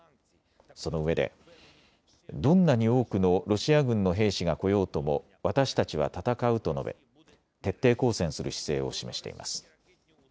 そのうえでどんなに多くのロシア軍の兵士が来ようとも私たちは戦うと述べ徹底抗戦する姿勢を示しています。